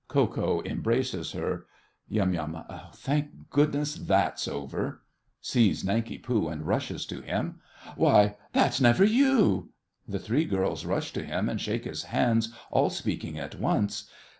(Ko Ko embraces her.) YUM. Thank goodness that's over! (Sees Nanki Poo, and rushes to him.) Why, that's never you? (The three Girls rush to him and shake his hands, all speaking at once.)